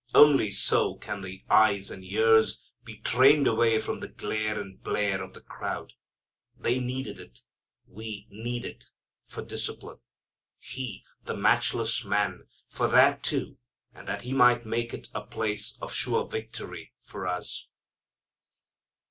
Only so can the eyes and ears be trained away from the glare and blare of the crowd. They needed it, we need it, for discipline. He, the matchless Man, for that too, and that He might make it a place of sure victory for us.